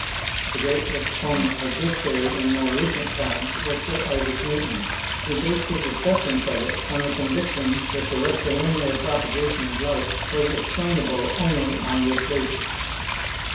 The great exponent of this theory in more recent times was Sir Isaac Newton, who based his acceptance of it on the conviction that the rectilinear propagation of light was explainable only on this basis.